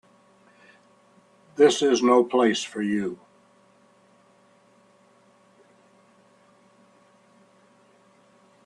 This is no place for you.